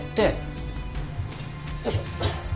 よいしょ。